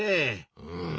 うん。